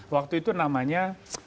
waktu itu namanya